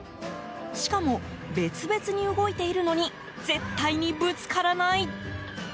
しかも、別々に動いているのに絶対にぶつからない。